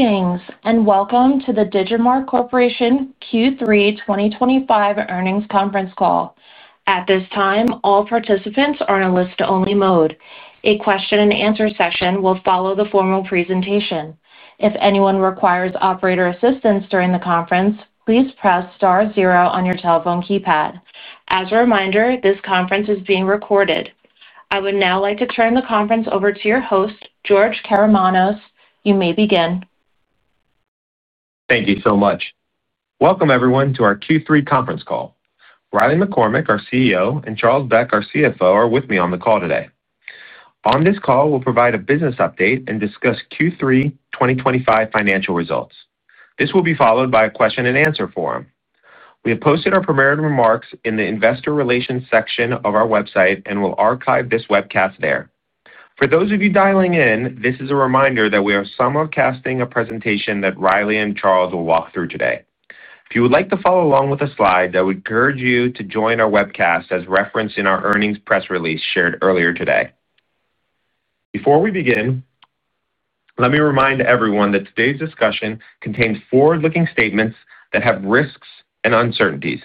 Greetings and welcome to the Digimarc Corporation Q3 2025 earnings conference call. At this time, all participants are in a listen-only mode. A question-and-answer session will follow the formal presentation. If anyone requires operator assistance during the conference, please press star zero on your telephone keypad. As a reminder, this conference is being recorded. I would now like to turn the conference over to your host, George Karamanos. You may begin. Thank you so much. Welcome, everyone, to our Q3 conference call. Riley McCormack, our CEO, and Charles Beck, our CFO, are with me on the call today. On this call, we'll provide a business update and discuss Q3 2025 financial results. This will be followed by a question-and-answer forum. We have posted our prepared remarks in the Investor Relations section of our website and will archive this webcast there. For those of you dialing in, this is a reminder that we are simulcasting a presentation that Riley and Charles will walk through today. If you would like to follow along with a slide, I would encourage you to join our webcast as referenced in our earnings press release shared earlier today. Before we begin, let me remind everyone that today's discussion contains forward-looking statements that have risks and uncertainties.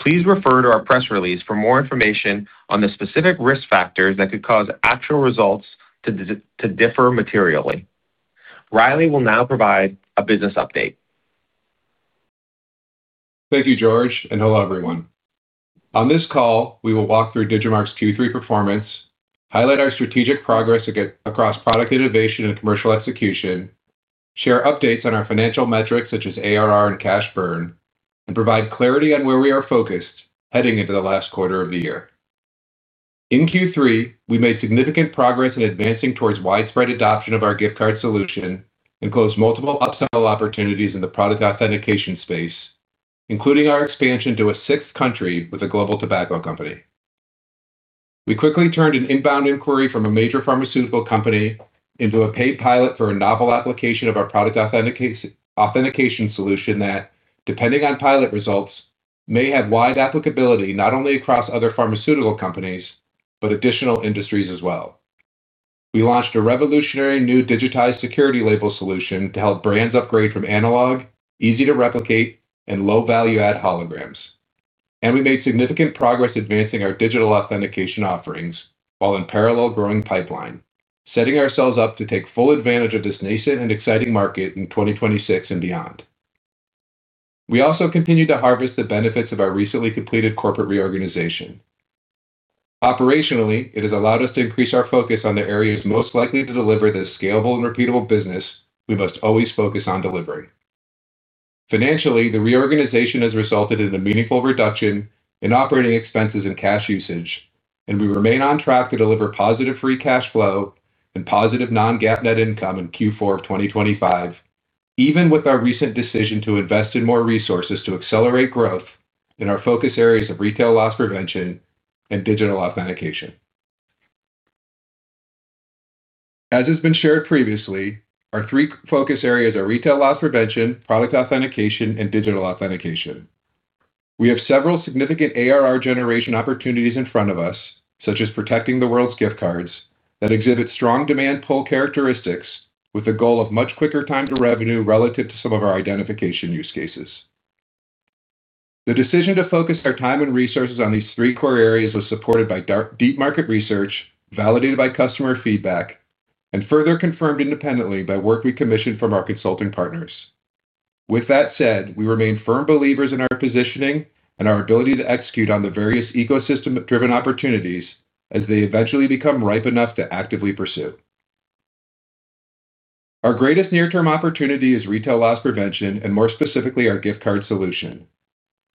Please refer to our press release for more information on the specific risk factors that could cause actual results to differ materially. Riley will now provide a business update. Thank you, George, and hello, everyone. On this call, we will walk through Digimarc's Q3 performance, highlight our strategic progress across Product Innovation and Commercial Execution, share updates on our financial metrics such as ARR and cash burn, and provide clarity on where we are focused heading into the last quarter of the year. In Q3, we made significant progress in advancing towards widespread adoption of our gift card solution and closed multiple upsell opportunities in the product authentication space, including our expansion to a sixth country with a global tobacco company. We quickly turned an inbound inquiry from a major pharmaceutical company into a paid pilot for a novel application of our product authentication solution that, depending on pilot results, may have wide applicability not only across other pharmaceutical companies but additional industries as well. We launched a revolutionary new digitized security label solution to help brands upgrade from analog, easy-to-replicate, and low-value-add holograms. We made significant progress advancing our digital authentication offerings while in parallel growing the pipeline, setting ourselves up to take full advantage of this nascent and exciting market in 2026 and beyond. We also continue to harvest the benefits of our recently completed corporate reorganization. Operationally, it has allowed us to increase our focus on the areas most likely to deliver this scalable and repeatable business we must always focus on delivering. Financially, the reorganization has resulted in a meaningful reduction in operating expenses and cash usage, and we remain on track to deliver positive free cash flow and positive non-GAAP net income in Q4 of 2025, even with our recent decision to invest in more resources to accelerate growth in our focus areas of retail loss prevention and digital authentication. As has been shared previously, our three focus areas are retail loss prevention, product authentication, and digital authentication. We have several significant ARR generation opportunities in front of us, such as protecting the world's gift cards that exhibit strong demand pull characteristics with the goal of much quicker time to revenue relative to some of our identification use cases. The decision to focus our time and resources on these three core areas was supported by deep market research, validated by customer feedback, and further confirmed independently by work we commissioned from our consulting partners. With that said, we remain firm believers in our positioning and our ability to execute on the various ecosystem-driven opportunities as they eventually become ripe enough to actively pursue. Our greatest near-term opportunity is retail loss prevention and, more specifically, our gift card solution.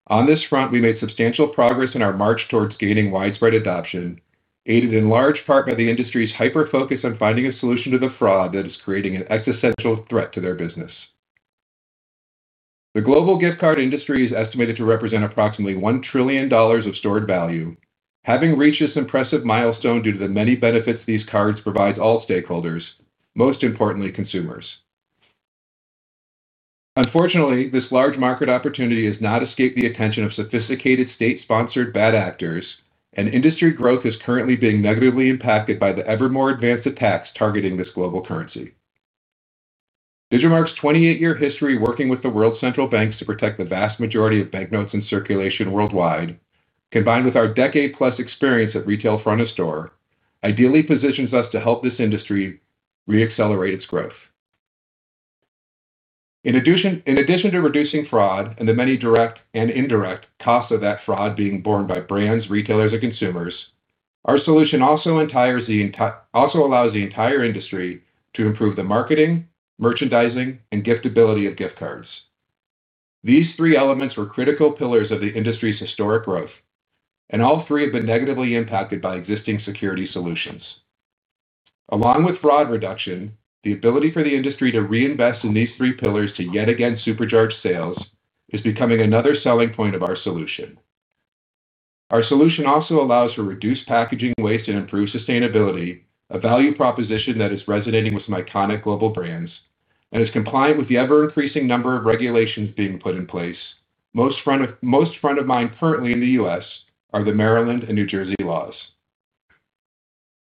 On this front, we made substantial progress in our march towards gaining widespread adoption, aided in large part by the industry's hyper-focus on finding a solution to the fraud that is creating an existential threat to their business. The global gift card industry is estimated to represent approximately $1 trillion of stored value, having reached this impressive milestone due to the many benefits these cards provide to all stakeholders, most importantly, consumers. Unfortunately, this large market opportunity has not escaped the attention of sophisticated state-sponsored bad actors, and industry growth is currently being negatively impacted by the ever-more advanced attacks targeting this global currency. Digimarc's 28-year history working with the World Central Bank to protect the vast majority of banknotes in circulation worldwide, combined with our decade-plus experience at retail front of store, ideally positions us to help this industry re-accelerate its growth. In addition to reducing fraud and the many direct and indirect costs of that fraud being borne by brands, retailers, and consumers, our solution also allows the entire industry to improve the marketing, merchandising, and giftability of gift cards. These three elements were critical pillars of the industry's historic growth, and all three have been negatively impacted by existing security solutions. Along with fraud reduction, the ability for the industry to reinvest in these three pillars to yet again supercharge sales is becoming another selling point of our solution. Our solution also allows for reduced packaging waste and improved sustainability, a value proposition that is resonating with some iconic global brands and is compliant with the ever-increasing number of regulations being put in place. Most front of mind currently in the U.S. are the Maryland and New Jersey laws.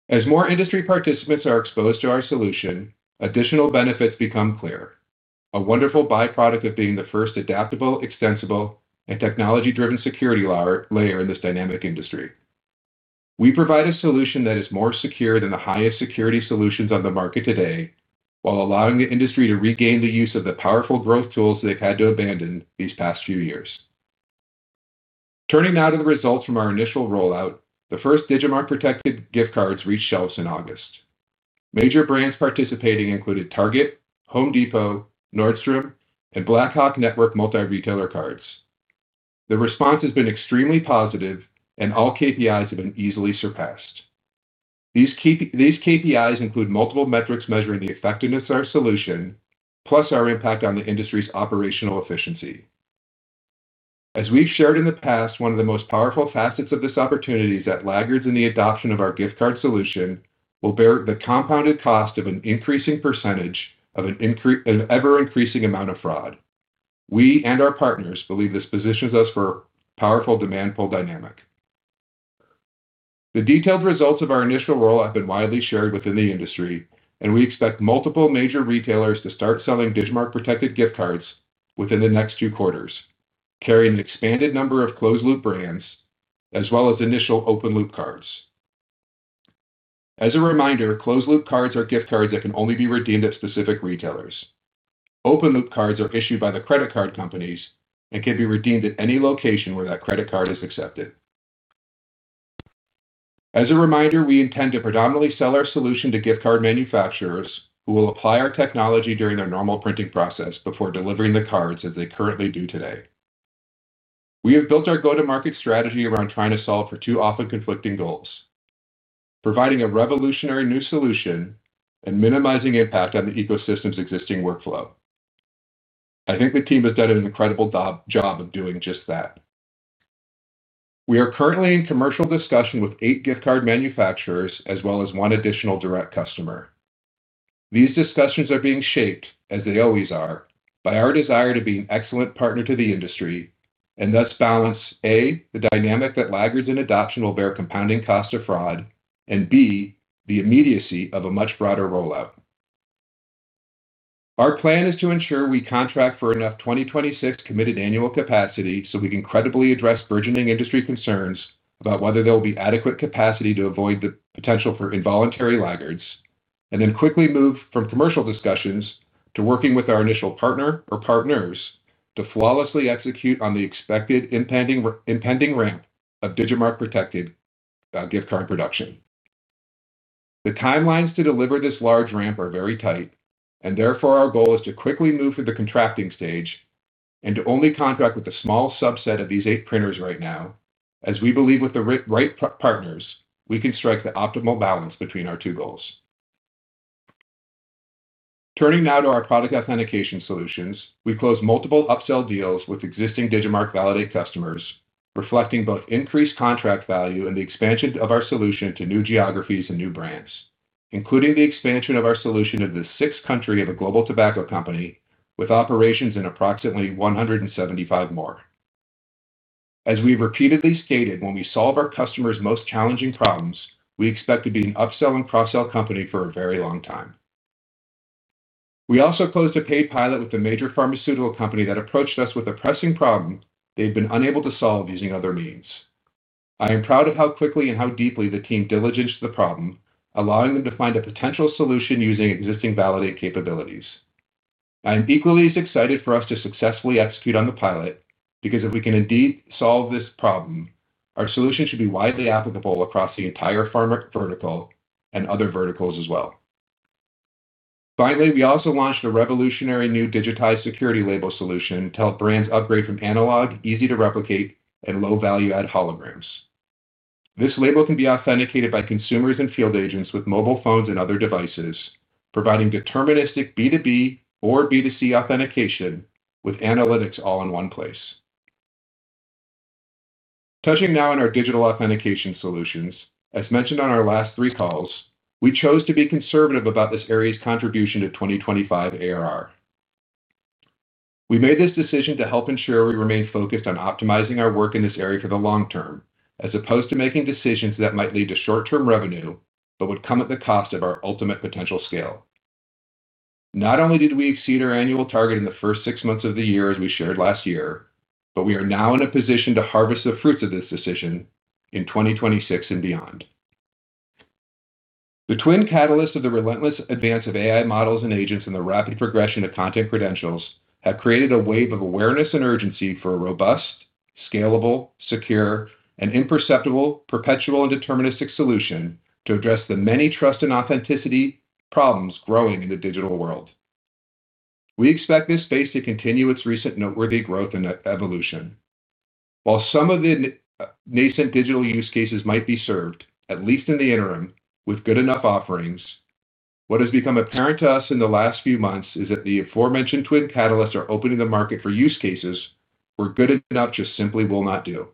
As more industry participants are exposed to our solution, additional benefits become clear: a wonderful byproduct of being the first adaptable, extensible, and technology-driven security layer in this dynamic industry. We provide a solution that is more secure than the highest security solutions on the market today while allowing the industry to regain the use of the powerful growth tools they've had to abandon these past few years. Turning now to the results from our initial rollout, the first Digimarc protected gift cards reached shelves in August. Major brands participating included Target, Home Depot, Nordstrom, and Blackhawk Network multi-retailer cards. The response has been extremely positive, and all KPIs have been easily surpassed. These KPIs include multiple metrics measuring the effectiveness of our solution, plus our impact on the industry's operational efficiency. As we've shared in the past, one of the most powerful facets of this opportunity is that laggards in the adoption of our gift card solution will bear the compounded cost of an increasing percentage of an ever-increasing amount of fraud. We and our partners believe this positions us for a powerful demand pull dynamic. The detailed results of our initial rollout have been widely shared within the industry, and we expect multiple major retailers to start selling Digimarc protected gift cards within the next two quarters, carrying an expanded number of closed-loop brands as well as initial open-loop cards. As a reminder, closed-loop cards are gift cards that can only be redeemed at specific retailers. Open-loop cards are issued by the credit card companies and can be redeemed at any location where that credit card is accepted. As a reminder, we intend to predominantly sell our solution to gift card manufacturers who will apply our technology during their normal printing process before delivering the cards as they currently do today. We have built our go-to-market strategy around trying to solve for two often conflicting goals: providing a revolutionary new solution and minimizing impact on the ecosystem's existing workflow. I think the team has done an incredible job of doing just that. We are currently in commercial discussion with eight gift card manufacturers as well as one additional direct customer. These discussions are being shaped, as they always are, by our desire to be an excellent partner to the industry and thus balance, A, the dynamic that laggards in adoption will bear compounding costs of fraud, and B, the immediacy of a much broader rollout. Our plan is to ensure we contract for enough 2026 committed annual capacity so we can credibly address burgeoning industry concerns about whether there will be adequate capacity to avoid the potential for involuntary laggards, and then quickly move from commercial discussions to working with our initial partner or partners to flawlessly execute on the expected impending ramp of Digimarc protected gift card production. The timelines to deliver this large ramp are very tight, and therefore our goal is to quickly move to the contracting stage and to only contract with a small subset of these eight printers right now, as we believe with the right partners we can strike the optimal balance between our two goals. Turning now to our product authentication solutions, we closed multiple upsell deals with existing Digimarc Validate customers, reflecting both increased contract value and the expansion of our solution to new geographies and new brands, including the expansion of our solution to the sixth country of a global tobacco company with operations in approximately 175 more. As we've repeatedly stated, when we solve our customers' most challenging problems, we expect to be an upsell and cross-sell company for a very long time. We also closed a paid pilot with a major pharmaceutical company that approached us with a pressing problem they've been unable to solve using other means. I am proud of how quickly and how deeply the team diligenced the problem, allowing them to find a potential solution using existing Validate capabilities. I am equally as excited for us to successfully execute on the pilot because if we can indeed solve this problem, our solution should be widely applicable across the entire pharma vertical and other verticals as well. Finally, we also launched a revolutionary new digitized security label solution to help brands upgrade from analog, easy-to-replicate, and low-value-add holograms. This label can be authenticated by consumers and field agents with mobile phones and other devices, providing deterministic B2B or B2C authentication with analytics all in one place. Touching now on our digital authentication solutions, as mentioned on our last three calls, we chose to be conservative about this area's contribution to 2025 ARR. We made this decision to help ensure we remain focused on optimizing our work in this area for the long term as opposed to making decisions that might lead to short-term revenue but would come at the cost of our ultimate potential scale. Not only did we exceed our annual target in the first six months of the year, as we shared last year, but we are now in a position to harvest the fruits of this decision in 2026 and beyond. The twin catalysts of the relentless advance of AI models and agents and the rapid progression of content credentials have created a wave of awareness and urgency for a robust, scalable, secure, imperceptible, perpetual, and deterministic solution to address the many trust and authenticity problems growing in the digital world. We expect this space to continue its recent noteworthy growth and evolution. While some of the nascent digital use cases might be served, at least in the interim, with good enough offerings, what has become apparent to us in the last few months is that the aforementioned twin catalysts are opening the market for use cases where good enough just simply will not do.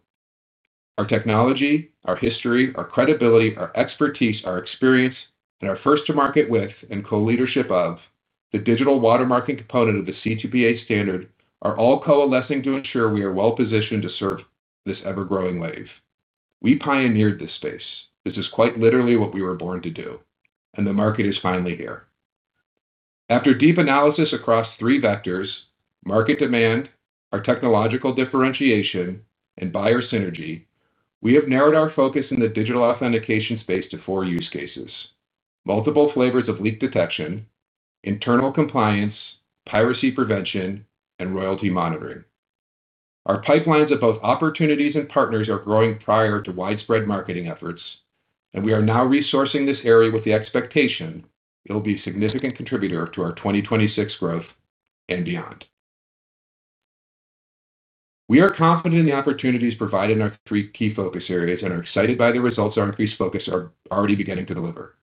Our technology, our history, our credibility, our expertise, our experience, and our first-to-market-with and co-leadership of the digital watermarking component of the C2PA standard are all coalescing to ensure we are well-positioned to serve this ever-growing wave. We pioneered this space. This is quite literally what we were born to do, and the market is finally here. After deep analysis across three vectors: market demand, our technological differentiation, and buyer synergy, we have narrowed our focus in the digital authentication space to four use cases: multiple flavors of leak detection, internal compliance, piracy prevention, and royalty monitoring. Our pipelines of both opportunities and partners are growing prior to widespread marketing efforts, and we are now resourcing this area with the expectation it'll be a significant contributor to our 2026 growth and beyond. We are confident in the opportunities provided in our three key focus areas and are excited by the results our increased focus are already beginning to deliver.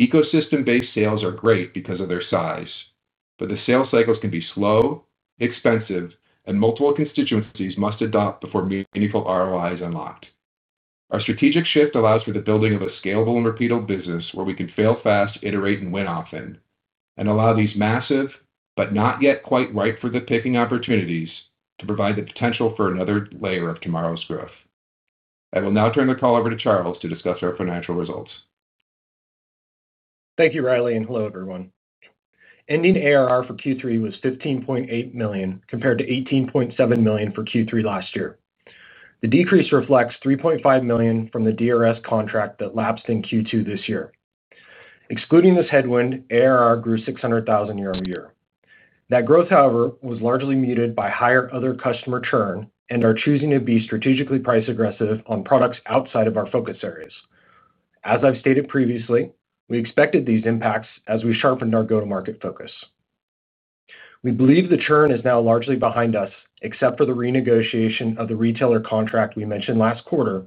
Ecosystem-based sales are great because of their size, but the sales cycles can be slow, expensive, and multiple constituencies must adopt before meaningful ROI is unlocked. Our strategic shift allows for the building of a scalable and repeatable business where we can fail fast, iterate, and win often, and allow these massive but not yet quite ripe-for-the-picking opportunities to provide the potential for another layer of tomorrow's growth. I will now turn the call over to Charles to discuss our financial results. Thank you, Riley, and hello, everyone. Ending ARR for Q3 was $15.8 million compared to $18.7 million for Q3 last year. The decrease reflects $3.5 million from the DRS contract that lapsed in Q2 this year. Excluding this headwind, ARR grew $600,000 year-over-year. That growth, however, was largely muted by higher other customer churn and our choosing to be strategically price-aggressive on products outside of our focus areas. As I've stated previously, we expected these impacts as we sharpened our go-to-market focus. We believe the churn is now largely behind us except for the renegotiation of the retailer contract we mentioned last quarter,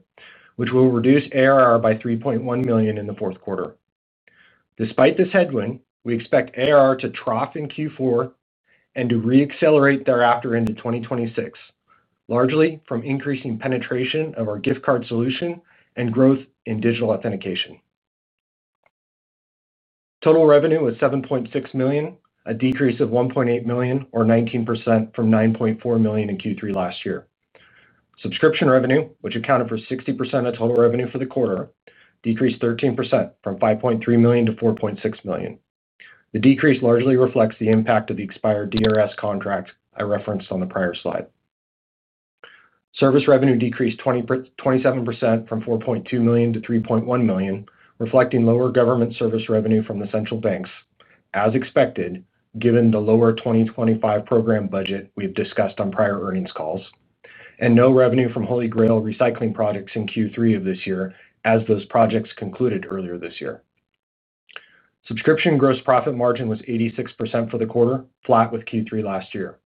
which will reduce ARR by $3.1 million in the fourth quarter. Despite this headwind, we expect ARR to trough in Q4 and to re-accelerate thereafter into 2026, largely from increasing penetration of our gift card solution and growth in digital authentication. Total revenue was $7.6 million, a decrease of $1.8 million, or 19%, from $9.4 million in Q3 last year. Subscription revenue, which accounted for 60% of total revenue for the quarter, decreased 13% from $5.3 million-$4.6 million. The decrease largely reflects the impact of the expired DRS contract I referenced on the prior slide. Service revenue decreased 27% from $4.2 million-$3.1 million, reflecting lower government service revenue from the central banks, as expected given the lower 2025 program budget we've discussed on prior earnings calls, and no revenue from Holy Grail recycling products in Q3 of this year as those projects concluded earlier this year. Subscription gross profit margin was 86% for the quarter, flat with Q3 last year.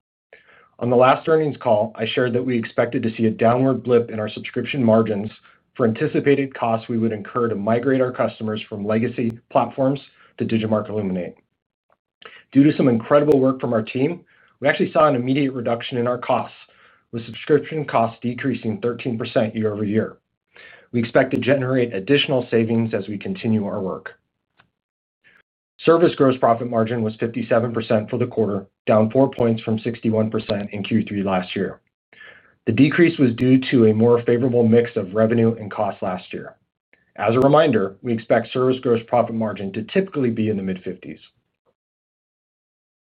On the last earnings call, I shared that we expected to see a downward blip in our subscription margins for anticipated costs we would incur to migrate our customers from legacy platforms to Digimarc Illuminate. Due to some incredible work from our team, we actually saw an immediate reduction in our costs, with subscription costs decreasing 13% year-over-year. We expect to generate additional savings as we continue our work. Service gross profit margin was 57% for the quarter, down 4 points from 61% in Q3 last year. The decrease was due to a more favorable mix of revenue and cost last year. As a reminder, we expect service gross profit margin to typically be in the mid-50%.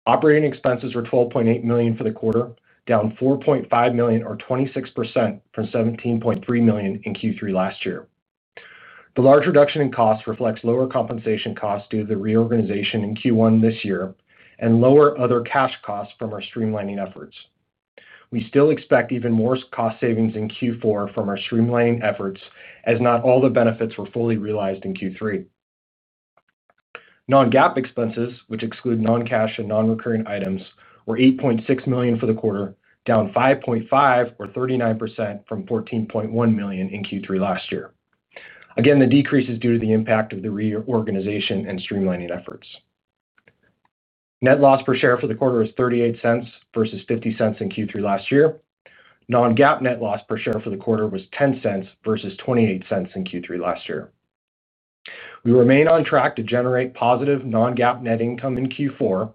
Operating expenses were $12.8 million for the quarter, down $4.5 million, or 26%, from $17.3 million in Q3 last year. The large reduction in costs reflects lower compensation costs due to the reorganization in Q1 this year and lower other cash costs from our streamlining efforts. We still expect even more cost savings in Q4 from our streamlining efforts as not all the benefits were fully realized in Q3. Non-GAAP expenses, which exclude non-cash and non-recurring items, were $8.6 million for the quarter, down $5.5 million, or 39%, from $14.1 million in Q3 last year. Again, the decrease is due to the impact of the reorganization and streamlining efforts. Net loss per share for the quarter was $0.38 versus $0.50 in Q3 last year. Non-GAAP net loss per share for the quarter was $0.10 versus $0.28 in Q3 last year. We remain on track to generate positive non-GAAP net income in Q4,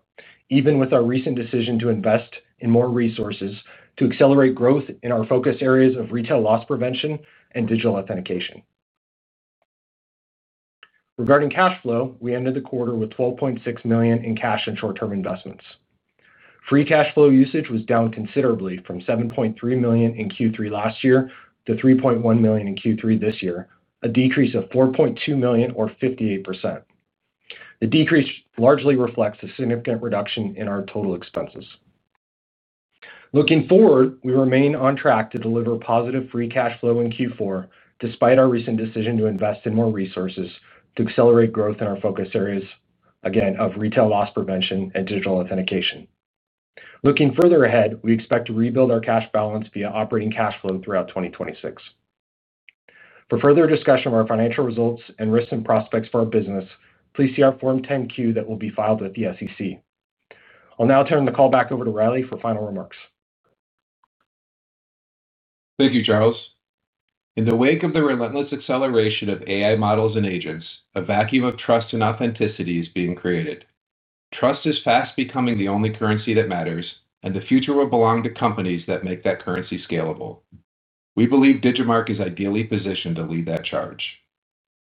even with our recent decision to invest in more resources to accelerate growth in our focus areas of retail loss prevention and digital authentication. Regarding cash flow, we ended the quarter with $12.6 million in cash and short-term investments. Free cash flow usage was down considerably from $7.3 million in Q3 last year to $3.1 million in Q3 this year, a decrease of $4.2 million, or 58%. The decrease largely reflects a significant reduction in our total expenses. Looking forward, we remain on track to deliver positive free cash flow in Q4 despite our recent decision to invest in more resources to accelerate growth in our focus areas, again, of retail loss prevention and digital authentication. Looking further ahead, we expect to rebuild our cash balance via operating cash flow throughout 2026. For further discussion of our financial results and risk and prospects for our business, please see our Form 10-Q that will be filed with the SEC. I'll now turn the call back over to Riley for final remarks. Thank you, Charles. In the wake of the relentless acceleration of AI models and agents, a vacuum of trust and authenticity is being created. Trust is fast becoming the only currency that matters, and the future will belong to companies that make that currency scalable. We believe Digimarc is ideally positioned to lead that charge.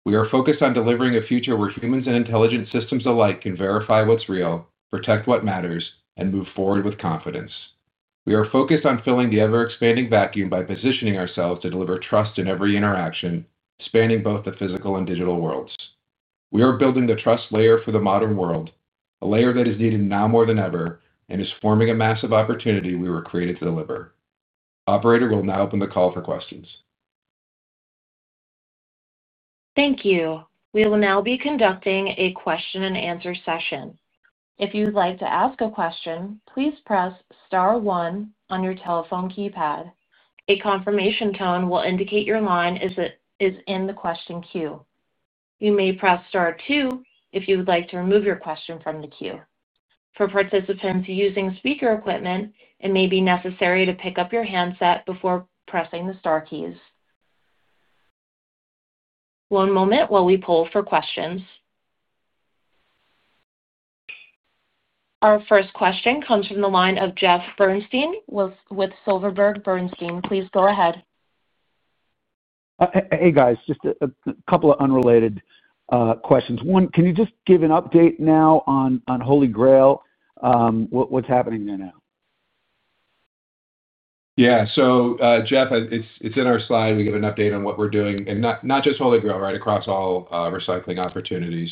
We are focused on delivering a future where humans and intelligent systems alike can verify what's real, protect what matters, and move forward with confidence. We are focused on filling the ever-expanding vacuum by positioning ourselves to deliver trust in every interaction, spanning both the physical and digital worlds. We are building the trust layer for the modern world, a layer that is needed now more than ever and is forming a massive opportunity we were created to deliver. Operator will now open the call for questions. Thank you. We will now be conducting a question-and-answer session. If you'd like to ask a question, please press star one on your telephone keypad. A confirmation tone will indicate your line is in the question queue. You may press star two if you would like to remove your question from the queue. For participants using speaker equipment, it may be necessary to pick up your handset before pressing the star keys. One moment while we pull for questions. Our first question comes from the line of Jeff Bernstein with Silverberg Bernstein. Please go ahead. Hey, guys. Just a couple of unrelated questions. One, can you just give an update now on Holy Grail. What's happening there now? Yeah. Jeff, it's in our slide. We give an update on what we're doing, and not just Holy Grail, right, across all recycling opportunities.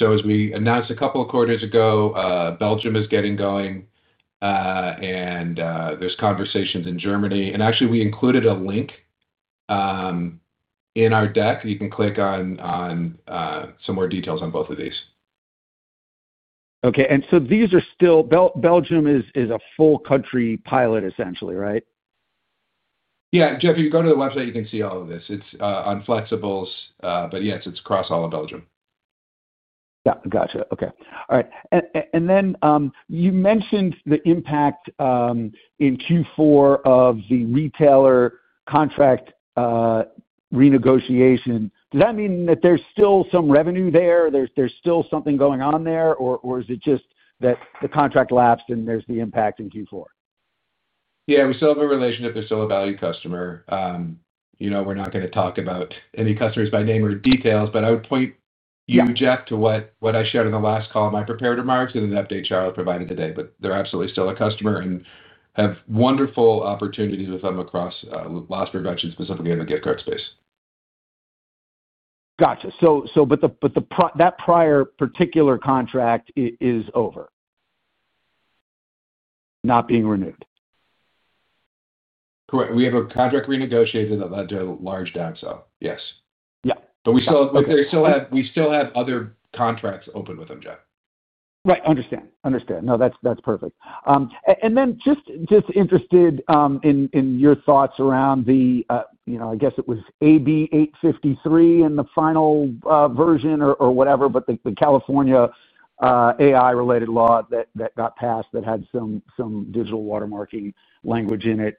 As we announced a couple of quarters ago, Belgium is getting going. There are conversations in Germany. Actually, we included a link in our deck you can click on for more details on both of these. Okay. These are still Belgium is a full-country pilot, essentially, right? Yeah. Jeff, if you go to the website, you can see all of this. It's on flexibles, but yes, it's across all of Belgium. Yeah. Gotcha. Okay. All right. You mentioned the impact in Q4 of the retailer contract renegotiation. Does that mean that there's still some revenue there? There's still something going on there, or is it just that the contract lapsed and there's the impact in Q4? Yeah. We still have a relationship. They're still a valued customer. We're not going to talk about any customers by name or details, but I would point you, Jeff, to what I shared in the last call, my prepared remarks, and an update Charles provided today. They're absolutely still a customer and have wonderful opportunities with them across loss prevention, specifically in the gift card space. Gotcha. That prior particular contract is over, not being renewed. Correct. We have a contract renegotiated that led to a large downsell, yes, but we still have other contracts open with them, Jeff. Right. Understand. No, that's perfect. I'm interested in your thoughts around the, I guess it was AB 853 in the final version or whatever, the California AI-related law that got passed that had some digital watermarking language in it.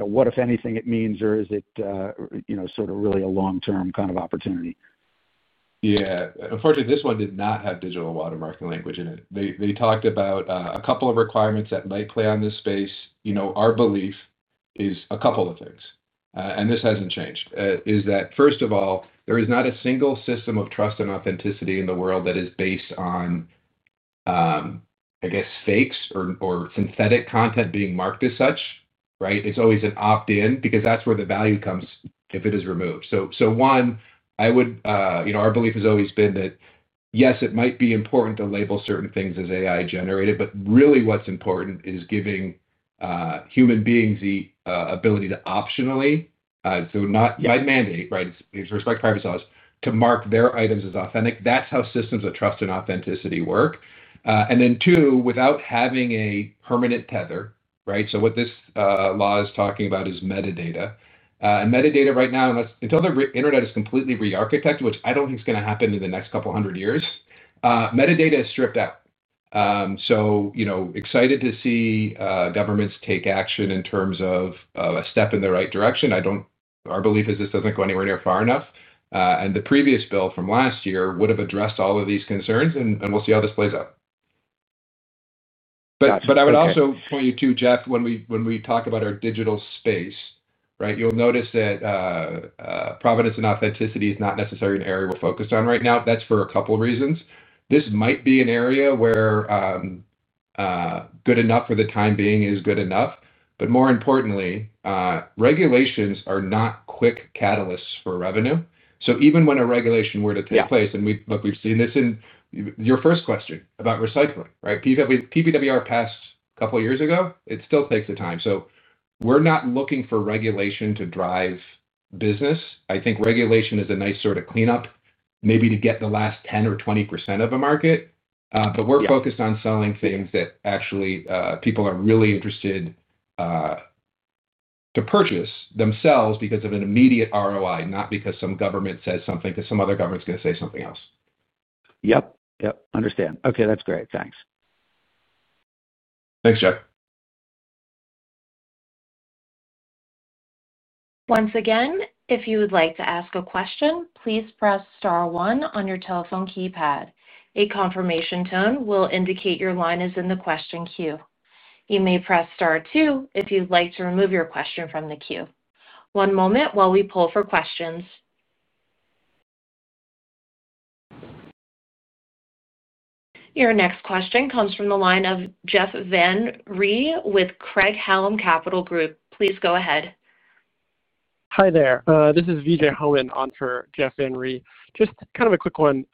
What, if anything, does it mean, or is it really a long-term kind of opportunity? Yeah. Unfortunately, this one did not have digital watermarking language in it. They talked about a couple of requirements that might play on this space. Our belief is a couple of things, and this hasn't changed. First of all, there is not a single system of trust and authenticity in the world that is based on, I guess, fakes or synthetic content being marked as such, right? It's always an opt-in because that's where the value comes if it is removed. Our belief has always been that, yes, it might be important to label certain things as AI-generated, but really what's important is giving human beings the ability to optionally, so not by mandate, with respect to privacy laws, to mark their items as authentic. That's how systems of trust and authenticity work. Without having a permanent tether, what this law is talking about is metadata. Metadata right now, until the internet is completely re-architected, which I don't think is going to happen in the next couple of hundred years, metadata is stripped out. Excited to see governments take action in terms of a step in the right direction. Our belief is this doesn't go anywhere near far enough. The previous bill from last year would have addressed all of these concerns, and we'll see how this plays out. I would also point you to, Jeff, when we talk about our digital space, you'll notice that provenance and authenticity is not necessarily an area we're focused on right now. That's for a couple of reasons. This might be an area where good enough for the time being is good enough. More importantly, regulations are not quick catalysts for revenue. Even when a regulation were to take place, and we've seen this in your first question about recycling, right? PPWR passed a couple of years ago. It still takes the time. We're not looking for regulation to drive business. I think regulation is a nice sort of cleanup, maybe to get the last 10% or 20% of a market. We're focused on selling things that actually people are really interested to purchase themselves because of an immediate ROI, not because some government says something, because some other government's going to say something else. Yep. Yep. Understand. Okay. That's great. Thanks. Thanks, Jeff. Once again, if you would like to ask a question, please press star one on your telephone keypad. A confirmation tone will indicate your line is in the question queue. You may press star two if you'd like to remove your question from the queue. One moment while we pull for questions. Your next question comes from the line of Jeff Van Rhee with Craig-Hallum Capital Group. Please go ahead. Hi there. This is Vijay Homan on for Jeff Van Rhee. Just kind of a quick one.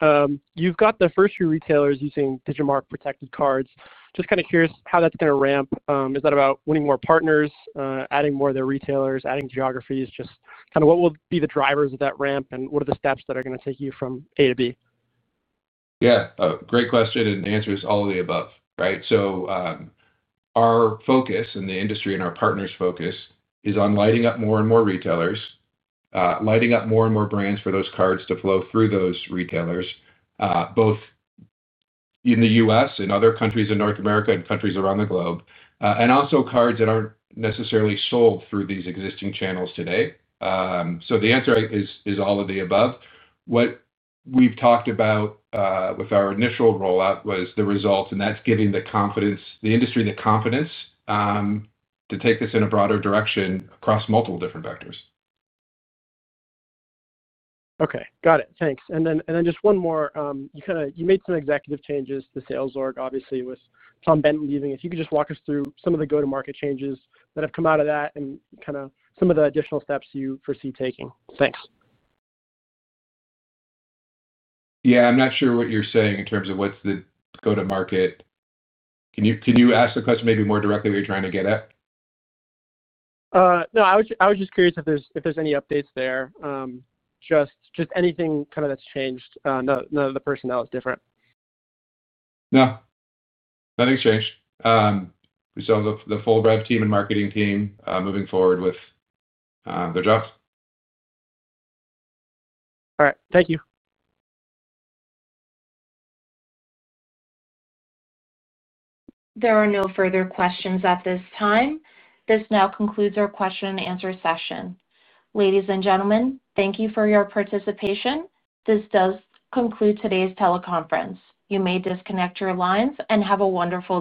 You've got the first-year retailers using Digimarc protected cards. Just kind of curious how that's going to ramp. Is that about winning more partners, adding more of their retailers, adding geographies? What will be the drivers of that ramp, and what are the steps that are going to take you from A to B? Yeah. Great question. It answers all of the above, right? Our focus and the industry and our partners' focus is on lighting up more and more retailers, lighting up more and more brands for those cards to flow through those retailers, both in the U.S. and other countries in North America and countries around the globe, and also cards that aren't necessarily sold through these existing channels today. The answer is all of the above. What we've talked about with our initial rollout was the results, and that's giving the industry the confidence to take this in a broader direction across multiple different vectors. Okay. Got it. Thanks. Just one more. You made some executive changes to Sales org, obviously, with Tom Benton leaving. If you could just walk us through some of the go-to-market changes that have come out of that and some of the additional steps you foresee taking. Thanks. Yeah. I'm not sure what you're saying in terms of what's the go-to-market. Can you ask the question maybe more directly, what you're trying to get at? No, I was just curious if there's any updates there, just anything kind of that's changed. None of the personnel is different. No, nothing's changed. We still have the full rev team and marketing team moving forward with their jobs. All right, thank you. There are no further questions at this time. This now concludes our question-and-answer session. Ladies and gentlemen, thank you for your participation. This does conclude today's teleconference. You may disconnect your lines and have a wonderful day.